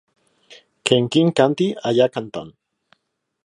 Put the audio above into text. Que en Quim canti allà a can Ton.